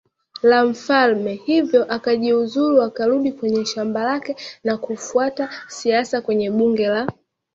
la mfalme hivyo akajiuzulu akarudi kwenye shamba lake na kufuata siasa kwenye bunge la